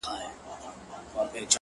دغه جلال او دا جمال د زلفو مه راوله ـ